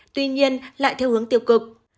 tuy nhiên lại theo hướng tiêu cực